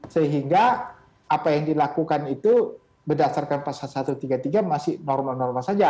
sehingga apa yang dilakukan itu berdasarkan pasal satu ratus tiga puluh tiga masih normal normal saja